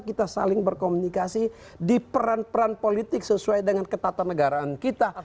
kita saling berkomunikasi di peran peran politik sesuai dengan ketatanegaraan kita